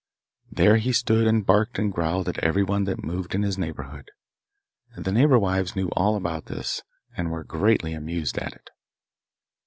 There he stood and barked and growled at everyone that moved in his neighbourhood. The neighbour wives knew all about this, and were greatly amused at it.